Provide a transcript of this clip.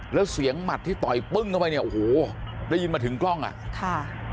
แล้วเสียงหมัดที่ต่อยปึ้งเข้าไปเนี่ยโอ้โหได้ยินมาถึงกล้องอ่ะค่ะ